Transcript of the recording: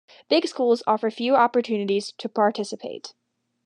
Big schools offer few opportunities to participate.